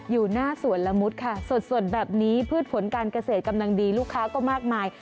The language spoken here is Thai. อยู่หน้าสวนละมุดค่ะสดแบบนี้พืชผลการเกษตรกำลังดีลูกค้าก็มากมาย